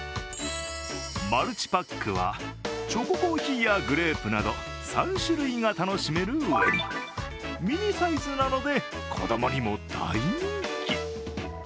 マルチパックはチョココーヒーやグレープなど３種類が楽しめるうえにミニサイズなので、子供にも大人気。